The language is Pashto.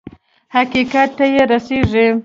حقيقت ته يې رسېږي.